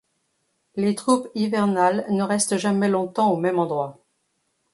Les troupes hivernales ne restent jamais longtemps au même endroit.